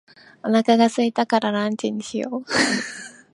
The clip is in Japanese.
お腹が空いたからランチにしよう。